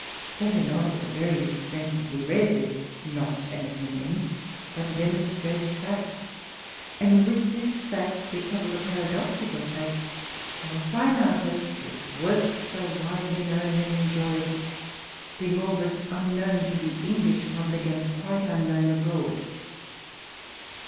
That her novels are very extensively read, is not an opin ion, but a demonstrated fact; and with this fkct we couple the para doxical fact of a fine artist, whose works are widely known and enjoyed, being all but unknown to the English jrablTc, and quite unknown abroad.